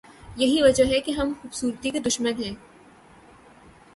یہی وجہ ہے کہ ہم خوبصورتی کے دشمن ہیں۔